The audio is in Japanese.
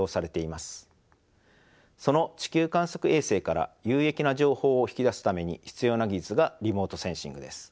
その地球観測衛星から有益な情報を引き出すために必要な技術がリモートセンシングです。